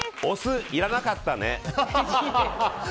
お酢いらなかったね